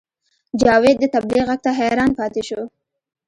جاوید د طبلې غږ ته حیران پاتې شو